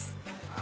あ。